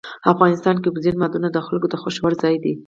افغانستان کې اوبزین معدنونه د خلکو د خوښې وړ ځای دی.